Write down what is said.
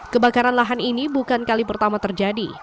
kebakaran lahan ini bukan kali pertama terjadi